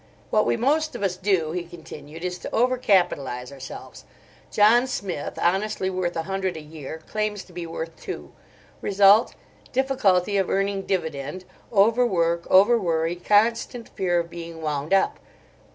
"What we most of us do," he continued, "is to over capitalise ourselves. John Smith, honestly worth a hundred a year, claims to be worth two. Result: difficulty of earning dividend, over work, over worry, constant fear of being wound up.